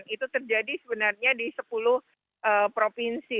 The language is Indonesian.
itu terjadi sebenarnya di sepuluh provinsi